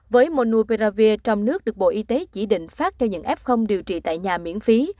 với monu pravir trong nước được bộ y tế chỉ định phát cho những f điều trị tại nhà miễn phí